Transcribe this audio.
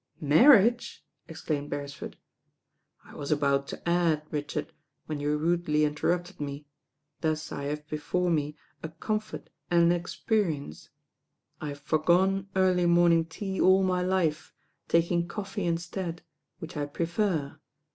''Marriage?" exclaimed Beresford. "I was about to add, Richard, when you rudely mtcrrupted me, thus I have before me a comfort and an experience. I have forgone early morning tea all my hfe, taking coffee instead, which I prefer.